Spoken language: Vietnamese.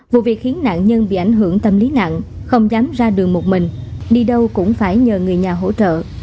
vụ việc khiến nạn nhân bị ảnh hưởng tâm lý nặng không dám ra đường một mình đi đâu cũng phải nhờ người nhà hỗ trợ